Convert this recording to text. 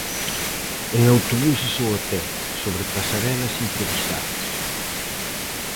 En autobuses ou a pé, sobre pasarelas improvisadas.